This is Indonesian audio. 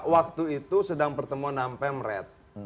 waktu itu sedang pertemuan nam pem red